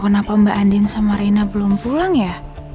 kenapa mbak andin sama rina belum pulang ya